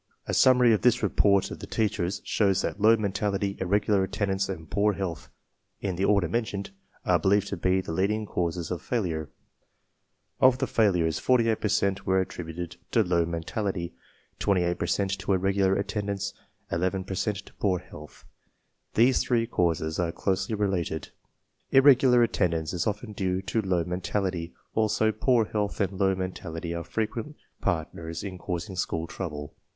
A summary of this report of the teachers shows that low mentality, irregular attendance, and poor health, in the order mentioned, are believed to be the leading causes of failure. Of the failures 48. per cent were attributed to Jtaw mental ity, 28 per cent to iiregular .attendance,, lLper„ cent to poor health. These three causes are closely related. Irregular attendance is often due to low men tality; also, poor health and low mentality are frequent partners in causing school trouble.